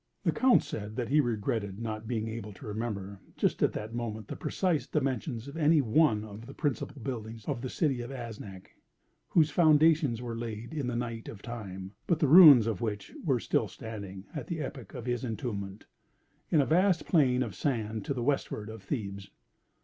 The Count said that he regretted not being able to remember, just at that moment, the precise dimensions of any one of the principal buildings of the city of Aznac, whose foundations were laid in the night of Time, but the ruins of which were still standing, at the epoch of his entombment, in a vast plain of sand to the westward of Thebes.